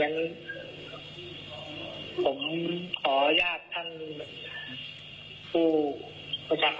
นะครับ